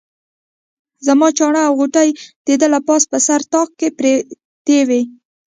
زما چانټه او غوټې د ده له پاسه په سر طاق کې پرتې وې.